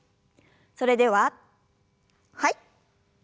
それでははい。